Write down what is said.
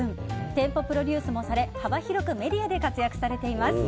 店舗プロデュースもされ、幅広くメディアで活躍されています。